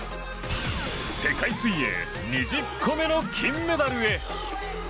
世界水泳２０個目の金メダルへ。